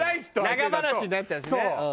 長話になっちゃうしね。